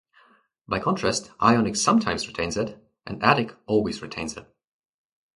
By contrast, Ionic sometimes retains it, and Attic always retains it.